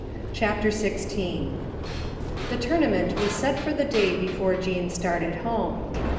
CHAPTER XVI The tournament was set for the day before Jean started home.